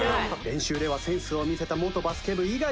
練習ではセンスを見せた元バスケ部猪狩君。